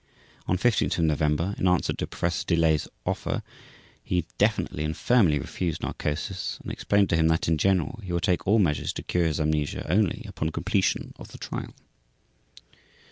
On 15 November, in answer to Professor Delay's offer, he definitely and firmly refused narcosis and explained to him that, in general, he would take all measures to cure his amnesia only upon completion of the Trial.